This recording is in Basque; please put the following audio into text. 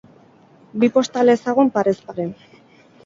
Bi postal ezagun parez pare.